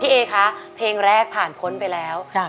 เอคะเพลงแรกผ่านพ้นไปแล้ว